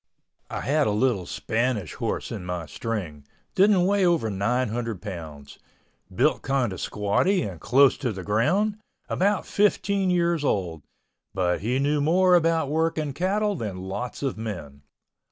I had a little Spanish horse in my string, didn't weigh over 900 pounds, built kind of squatty and close to the ground, about 15 years old, but he knew more about working cattle than lots of men.